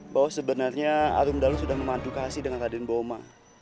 bahwa sebenarnya arum dalu sudah memandu kasih dengan raden boma